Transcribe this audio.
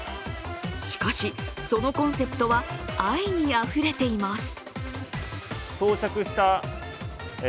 しかし、そのコンセプトは愛にあふれています。